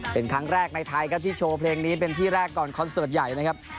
เป็นครั้งแรกในไทยครับที่โชว์เพลงนี้เป็นที่แรกก่อนคอนเสิร์ตใหญ่นะครับ